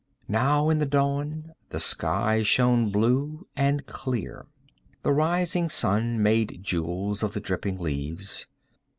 Now in the dawn the sky shone blue and clear, the rising sun made jewels of the dripping leaves.